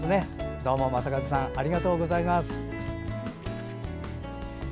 どうも、正一さんありがとうございます。